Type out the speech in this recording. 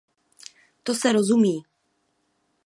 To se rozumí.